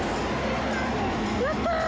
やったー！